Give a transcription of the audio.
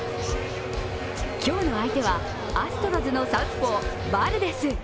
今日の相手はアストロズのサウスポー、バルデス。